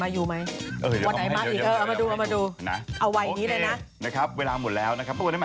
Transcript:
หวัดไหนตกเป็นเอาไว้ยิงด้วยนะ